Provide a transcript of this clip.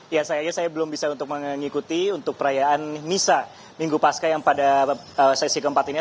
ya sayangnya saya belum bisa untuk mengikuti untuk perayaan misa minggu pasca yang pada sesi keempat ini